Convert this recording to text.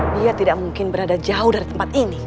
dia tidak mungkin berada jauh dari tempat ini